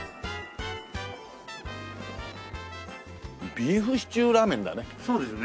ビーフシチューラーメンだね。